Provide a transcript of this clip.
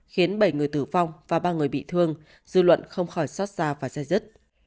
khiến bảy người tử vong và ba người bị thương dư luận không khỏi xót xa và dây dứt